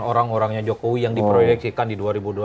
orang orangnya jokowi yang diproyeksikan di dua ribu dua puluh